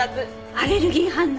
アレルギー反応？